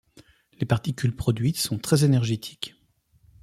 Les particules produites sont très énergétiques.